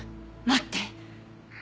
待って！